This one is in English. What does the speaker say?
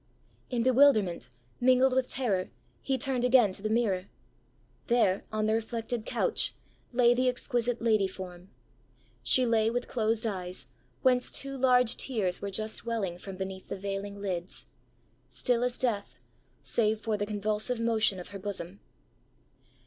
In bewilderment, mingled with terror, he turned again to the mirror: there, on the reflected couch, lay the exquisite lady form. She lay with closed eyes, whence two large tears were just welling from beneath the veiling lids; still as death, save for the convulsive motion of her bosom.